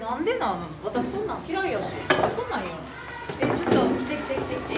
ちょっと来て来て来て来て。